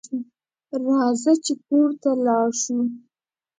راځه چې کور ته لاړ شو